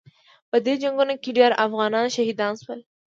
په دې جنګونو کې ډېر افغانان شهیدان شول.